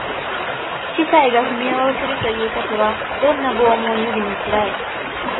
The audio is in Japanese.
司祭が踏み絵をするということは、どんな拷問よりも辛い。